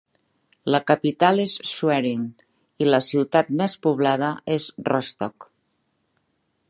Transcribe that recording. La capital és Schwerin i la ciutat més poblada és Rostock.